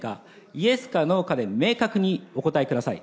イエスかノーかで明確にお答えください。